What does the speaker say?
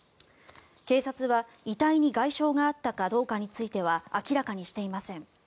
警察は遺体に外傷があったかどうかについては明らかにしていません。